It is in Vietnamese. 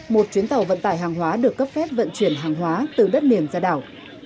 một chuyến tàu vận tải hàng hóa được cấp phép vận chuyển hàng hóa từ đất liền ra đảo